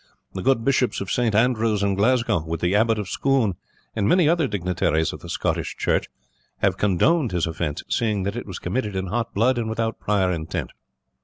The good Bishops of St. Andrews and Glasgow, with the Abbot of Scone, and many other dignitaries of the Scottish church, have condoned his offense, seeing that it was committed in hot blood and without prior intent.